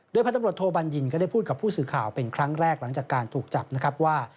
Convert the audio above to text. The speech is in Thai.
พันตำรวจโทบัญญินก็ได้พูดกับผู้สื่อข่าวเป็นครั้งแรกหลังจากการถูกจับนะครับว่า